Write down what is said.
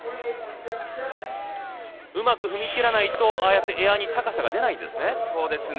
うまく踏み切らないとああやってエアに高さが出ないんですね。